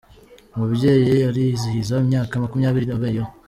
umubyeyi ariizihiza imyaka makumyabiri abayeho